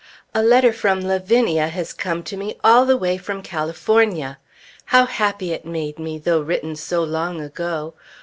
A letter from Lavinia has come to me all the way from California. How happy it made me, though written so long ago!